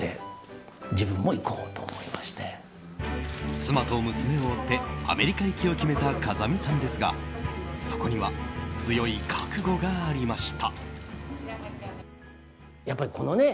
妻と娘を追ってアメリカ行きを決めた風見さんですがそこには強い覚悟がありました。